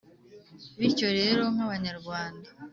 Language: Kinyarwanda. bityo rero nk’abanyarwanda